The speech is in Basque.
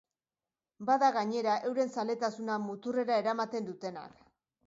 Bada, gainera, euren zaletasuna muturrera eramaten dutenak.